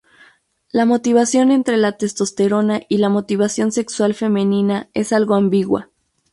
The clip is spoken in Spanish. La relación entre la testosterona y la motivación sexual femenina es algo ambigua.